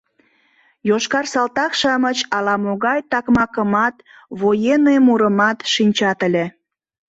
Йошкар салтак-шамыч ала-могай такмакымат, военный мурымат шинчат ыле...